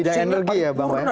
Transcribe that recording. itu bidang energi ya bang wain